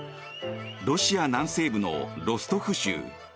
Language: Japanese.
ロシア南西部のロストフ州。